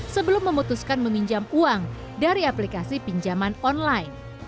sebelum memutuskan meminjam uang dari aplikasi pinjaman online